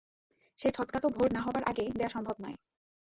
সেই ছদকা তো ভোর না-হবার আগে দেয়া সম্ভব নয়।